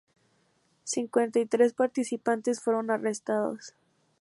Cincuenta y tres participantes fueron arrestados.